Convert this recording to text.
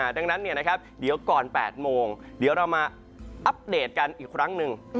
ดังนั้นเดี๋ยวก่อน๘โมงเดี๋ยวเรามาอัปเดตกันอีกครั้งหนึ่ง